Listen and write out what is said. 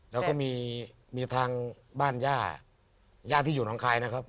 แล้วก็มีทางบ้านย่าย่าที่อยู่น้องคายนะครับ